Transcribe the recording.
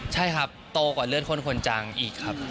ใช่ครับโตกว่าเลือดคนคนจังอีกครับ